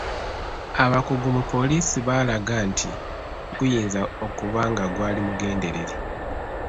Abakugu mu poliisi baalaga nti guyinza okuba nga gwali mugenderere.